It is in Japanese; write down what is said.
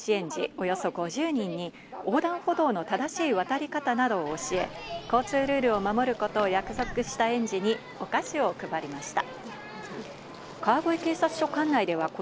およそ５０人に横断歩道の正しい渡り方などを教え、交通ルールを守ることを約束した園児にお菓子を配りました。